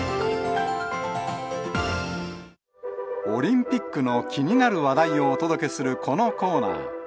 オリンピックの気になる話題をお届けするこのコーナー。